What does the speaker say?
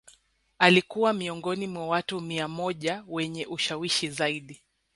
Alikua miongoni mwa watu mia moja wenye ushawishi zaidi